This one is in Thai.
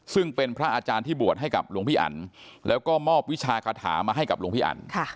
ซึ่งเป็นพระอาจารย์ที่บวชให้กับหลวงพี่อันแล้วก็มอบวิชาคาถามาให้กับหลวงพี่อัน